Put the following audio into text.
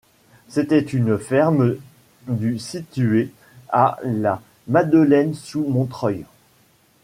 C'était une ferme du située à la Madelaine-sous-Montreuil.